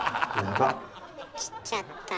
切っちゃった。